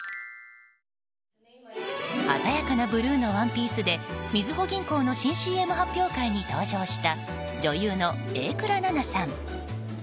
鮮やかなブルーのワンピースでみずほ銀行の新ＣＭ発表会に登場した女優の榮倉奈々さん。